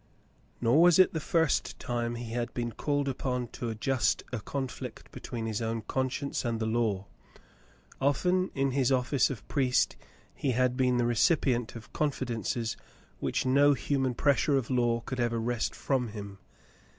Nor was it the first time he had been called upon to adjust a conflict between his own conscience and the law. Often in his office of priest he had been the recipient of confidences which no human pressure of law could ever 72 The Mountain Girl wrest from him.